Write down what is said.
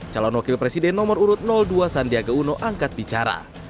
calon wakil presiden nomor urut dua sandiaga uno angkat bicara